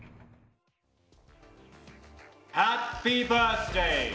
ハッピーバースディ。